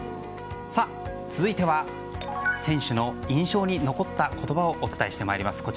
続いては選手の印象に残った言葉をお伝えしてまいります。